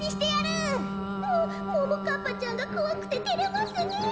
もももかっぱちゃんがこわくててれますねえ。